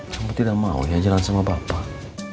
kamu tidak maunya jalan sama bapak